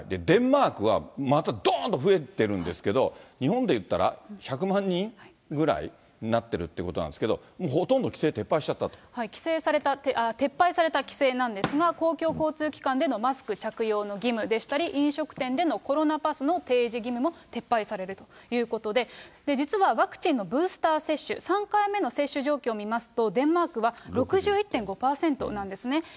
デンマークはまたどーんと増えてるんですけれども、日本で言ったら、１００万人ぐらいになってるんということなんですけど、ほとんど撤廃された規制なんですが、公共交通機関でのマスク着用の義務でしたり、飲食店でのコロナパスの提示義務も撤廃されるということで、実は、ワクチンのブースター接種、３回目の接種状況見ますと、デンマークは６１．５％なんですね。